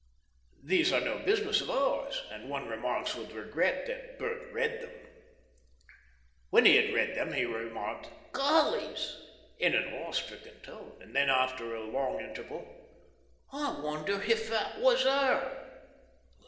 These are no business of ours, and one remarks with regret that Bert read them. When he had read them he remarked, "Gollys!" in an awestricken tone, and then, after a long interval, "I wonder if that was her?